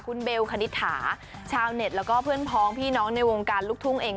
คุณเบลคณิตถาชาวเน็ตแล้วก็เพื่อนพ้องพี่น้องในวงการลูกทุ่งเอง